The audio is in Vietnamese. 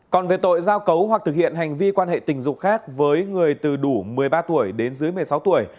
còn về tội giao cấu hoặc thực hiện hành vi quan hệ tình dục khác với người từ đủ một mươi ba tuổi đến dưới một mươi sáu tuổi